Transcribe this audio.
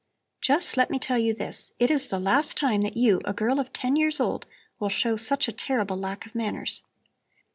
Just let me tell you this! It is the last time that you, a girl of ten years old, will show such a terrible lack of manners.